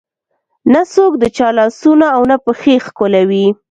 نه څوک د چا لاسونه او نه پښې ښکلوي.